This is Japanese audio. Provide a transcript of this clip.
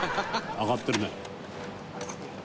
「上がってるね」